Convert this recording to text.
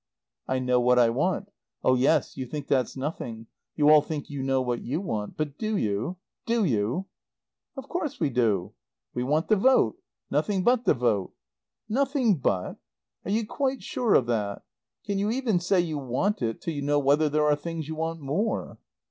"I know what I want. Oh, yes, you think that's nothing; you all think you know what you want. But do you? Do you?" "Of course we do!" "We want the vote!" "Nothing but the vote!" "Nothing but? Are you quite sure of that? Can you even say you want it till you know whether there are things you want more?"